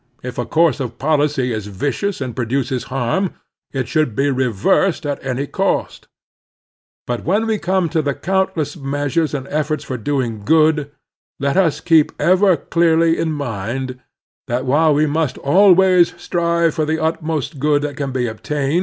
If a course of policy is vicious and produces harm it should be reversed at any cost. But when we come to the countless measures and efforts for doing good, let us keep ever clearly in nmid that 134 The Strenuous Life while we must always strive for the utmost good that can be obtain©!